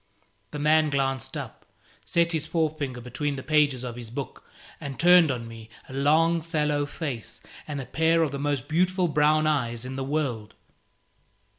The man glanced up, set his forefinger between the pages of his book, and turned on me a long sallow face and a pair of the most beautiful brown eyes in the world.